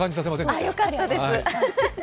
あ、よかったです。